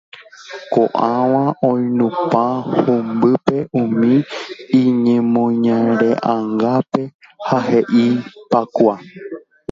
ko'ãva oinupã humbýpe umi iñemoñare'angápe ha he'i pákua